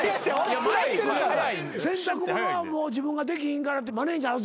洗濯物は自分ができひんからってマネジャー預けんのか？